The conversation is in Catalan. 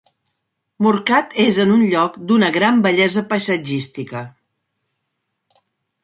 Morcat és en un lloc d'una gran bellesa paisatgística.